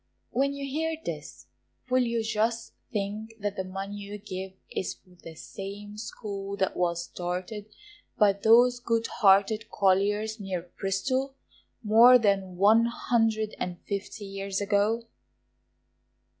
When you hear this will you just think, that the money you give is for the same school that was started by those good hearted colliers near Bristol, more than one hundred and fifty years ago.